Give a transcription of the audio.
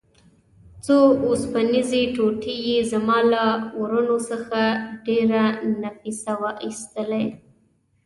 څو اوسپنیزې ټوټې یې زما له ورنو څخه په ډېره نفیسه وه ایستې.